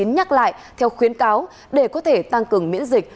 nhắc lại theo khuyến cáo để có thể tăng cường miễn dịch